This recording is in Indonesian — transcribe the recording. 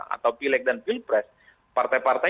atau pilek dan pilpres partai partai